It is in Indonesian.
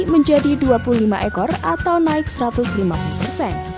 menjadi dua puluh lima ekor atau naik satu ratus lima puluh persen